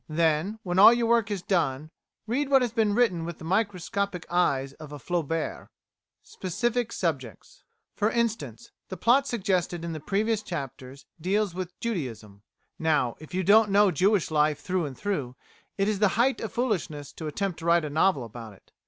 Then, when all your work is done, read what has been written with the microscopic eyes of a Flaubert. Specific Subjects For instance, the plot suggested in the previous chapters deals with Judaism. Now, if you don't know Jewish life through and through, it is the height of foolishness to attempt to write a novel about it.